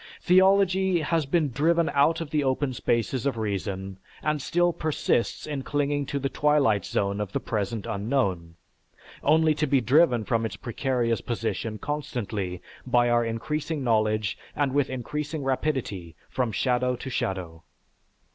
Theology has been driven out of the open spaces of reason and still persists in clinging to the twilight zone of the present unknown, only to be driven from its precarious position constantly by our increasing knowledge and with increasing rapidity from shadow to shadow.